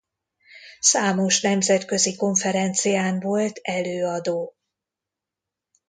Számos nemzetközi konferencián volt előadó.